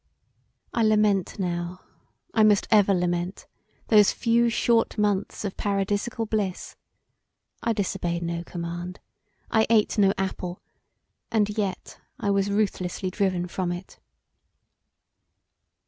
I lament now, I must ever lament, those few short months of Paradisaical bliss; I disobeyed no command, I ate no apple, and yet I was ruthlessly driven from it.